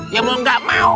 ya belum gak mau